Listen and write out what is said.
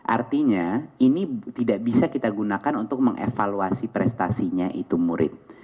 artinya ini tidak bisa kita gunakan untuk mengevaluasi prestasinya itu murid